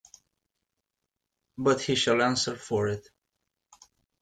But he shall answer for it.